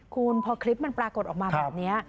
คุณพอคลิปมันปรากฏออกมาแบบนี้